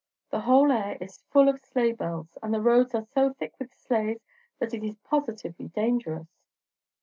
The whole air is full of sleigh bells; and the roads are so thick with sleighs that it is positively dangerous."